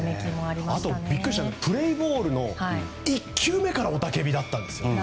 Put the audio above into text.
あと、ビックリしたのはプレーボールの１球目から雄たけびだったんですよ。